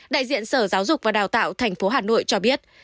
đại diện sở giáo dục và đào tạo thành phố hà nội cho biết